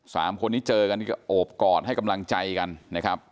สามคนที่เจอกันนี่ก็โอบกอดให้กำลังใจกันนะครับ